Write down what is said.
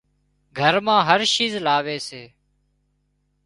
گھر مان هر شيز لاوي سي